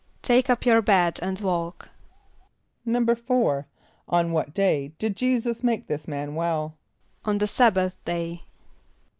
="Take up your bed and walk."= =4.= On what day did J[=e]´[s+]us make this man well? =On the sabbath day.